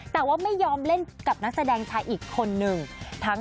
แต่ว่าไม่ยอมเล่นกับนักแสดงชายอีกคนนึง